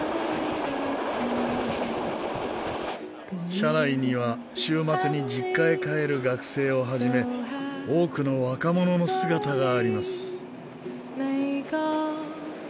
車内には週末に実家へ帰る学生を始め多くの若者の姿があります。